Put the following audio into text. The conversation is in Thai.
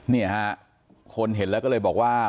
นี่ฮะคนเห็นแล้วก็เลยบอกว่า